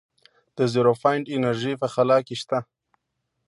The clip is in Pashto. د زیرو پاینټ انرژي په خلا کې شته.